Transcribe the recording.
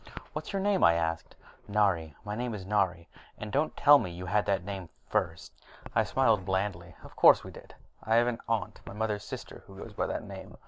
"What's your name?" I asked. "Nari. My name is Nari. And don't tell me you had that name first!" I smiled blandly. "Of course we did. I have an aunt, my mother's sister, who goes by that name.